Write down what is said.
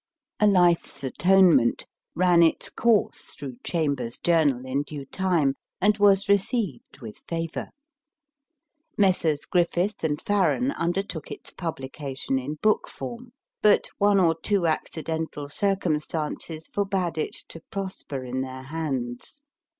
* A Life s Atonement ran its course through Chamber s*s Journal in due time, and was received with favour. Messrs. Griffith & Farran undertook its publication in book form, but one or SOME NOVELS two accidental circumstances forbade it to prosper in their hands.